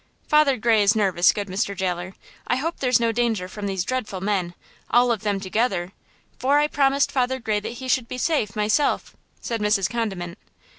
"Father Gray is nervous, good Mr. Jailer; I hope there's no danger from these dreadful men–all of them together–for I promised Father Gray that he should be safe, myself," said Mrs. Condiment.